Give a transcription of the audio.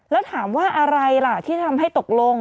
แล้วถามว่าอะไรล่ะที่ทำให้ตกลง